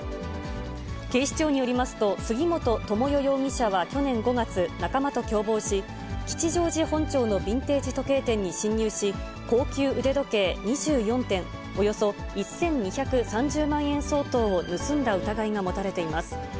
警視庁によりますと、杉本智代容疑者は去年５月、仲間と共謀し、吉祥寺本町のビンテージ時計店に侵入し、高級腕時計２４点、およそ１２３０万円相当を盗んだ疑いが持たれています。